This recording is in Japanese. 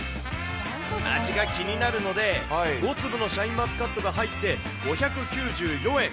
味が気になるので、５粒のシャインマスカットが入って、５９４円。